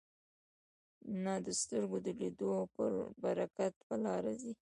نه د سترګو د لیدلو او پر برکت په لاره ځي.